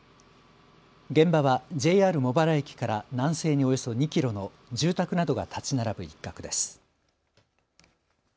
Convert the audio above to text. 現場はＪＲ茂原駅から南西におよそ２キロの住宅などが建ち並ぶ一角です。